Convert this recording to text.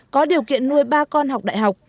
có điều kiện nuôi ba con học đại học